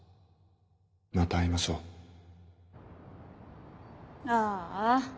また会いましょうああ。